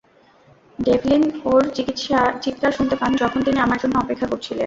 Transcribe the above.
Devlin ওর চিৎকার শুনতে পান যখন তিনি আমার জন্য অপেক্ষা করছিলেন।